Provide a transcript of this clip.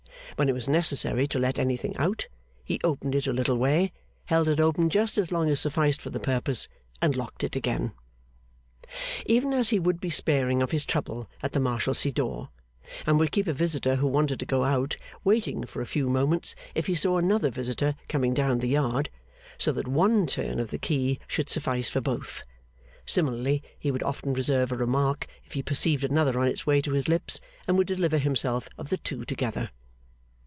When it was necessary to let anything out, he opened it a little way, held it open just as long as sufficed for the purpose, and locked it again. Even as he would be sparing of his trouble at the Marshalsea door, and would keep a visitor who wanted to go out, waiting for a few moments if he saw another visitor coming down the yard, so that one turn of the key should suffice for both, similarly he would often reserve a remark if he perceived another on its way to his lips, and would deliver himself of the two together.